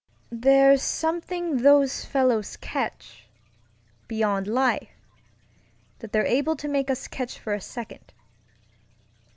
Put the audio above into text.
There's something those fellows catchŌĆöbeyond lifeŌĆöthat they're able to make us catch for a second.